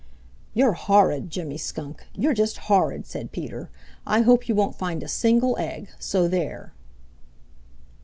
"You're horrid, Jimmy Skunk. You're just horrid," said Peter. "I hope you won't find a single egg, so there!"